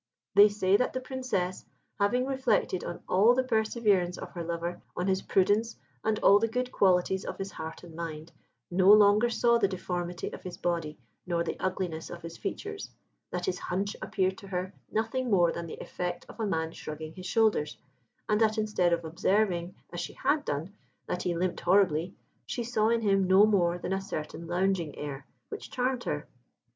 They say that the Princess, having reflected on the perseverance of her lover on his prudence, and all the good qualities of his heart and mind, no longer saw the deformity of his body nor the ugliness of his features that his hunch appeared to her nothing more than the effect of a man shrugging his shoulders, and that instead of observing, as she had done, that he limped horribly, she saw in him no more than a certain lounging air, which charmed her.